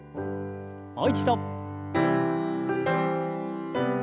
もう一度。